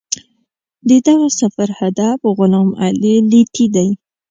د دغه سفر هدف غلام علي لیتي دی.